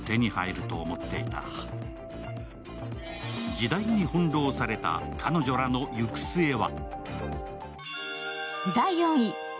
時代に翻弄された彼女らの行く末は？